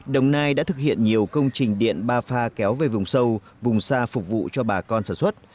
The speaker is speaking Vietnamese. đồng nai đã thực hiện nhiều công trình điện ba pha kéo về vùng sâu vùng xa phục vụ cho bà con sản xuất